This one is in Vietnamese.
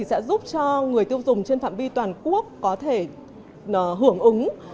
sẽ giúp cho người tiêu dùng trên phạm vi toàn quốc có thể hưởng ứng